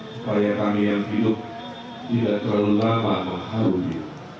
supaya kami yang hidup tidak terlalu lama mengharumnya